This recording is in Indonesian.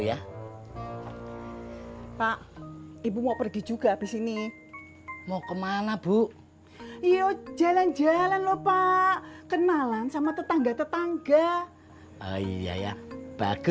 iya ini udah saya mau keangetan sama emak